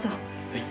はい。